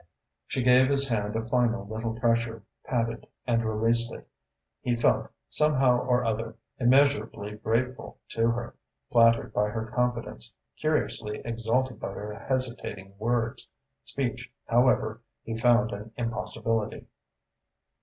She gave his hand a final little pressure, patted and released it. He felt, somehow or other, immeasurably grateful to her, flattered by her confidence, curiously exalted by her hesitating words. Speech, however, he found an impossibility.